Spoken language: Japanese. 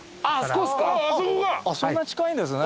そんな近いんですね。